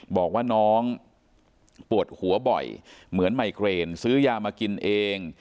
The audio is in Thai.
บอกว่าน้องปวดหัวบ่อยเหมือนไมเกรนซื้อยามากินเอง